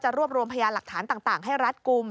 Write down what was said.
รวบรวมพยานหลักฐานต่างให้รัดกลุ่ม